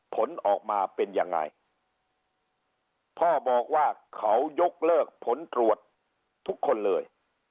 ผลออกมาเป็นยังไงพ่อบอกว่าเขายกเลิกผลตรวจทุกคนเลย